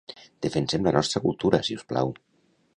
Defensem la nostra cultura, siusplau.